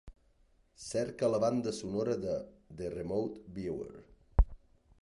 Cerca la banda sonora de "The Remote Viewer".